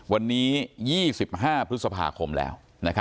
วันนี้๒๕พฤษภาคมแล้ว